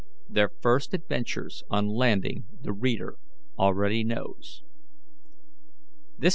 Their first adventures on landing the reader already knows. CHAPTER V.